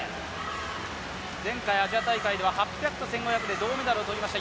前回アジア大会では８００と１５００で銅メダルを取りました。